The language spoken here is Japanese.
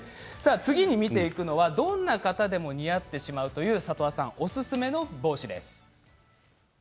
次見ていくのはどんな方でも似合ってしまうという里和さんおすすめの帽子です。